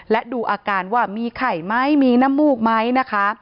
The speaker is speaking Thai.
และดูอาการว่ามีไข่ไหมมีน้ำมูกไหมนะคะ